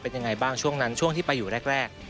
เป็นยังไงบ้างช่วงนั้นช่วงที่ไปอยู่แรก